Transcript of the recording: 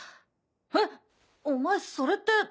えっお前それって。